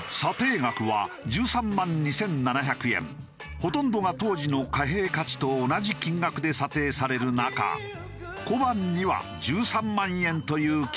ほとんどが当時の貨幣価値と同じ金額で査定される中小判には１３万円という金額がついた。